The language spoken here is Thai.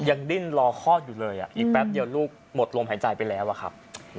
ดิ้นรอคลอดอยู่เลยอีกแป๊บเดียวลูกหมดลมหายใจไปแล้วอะครับ